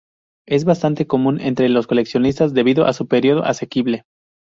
Es bastante común entre los coleccionistas debido a su precio asequible.